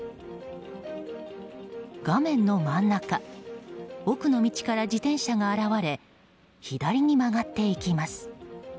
画面の真ん中奥の道から自転車が現れ左に曲がっていきます。